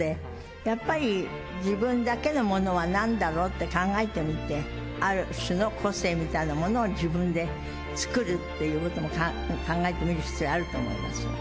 やっぱり、自分だけのものはなんだろうって考えてみて、ある種の個性みたいなものを、自分で作るっていうことも考えてみる必要はあると思いますよ。